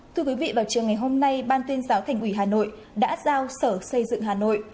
thưa quý vị vào trường ngày hôm nay ban tuyên giáo thành ủy hà nội đã giao sở xây dựng hà nội